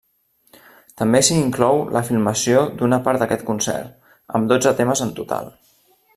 També s'hi inclou la filmació d'una part d'aquest concert, amb dotze temes en total.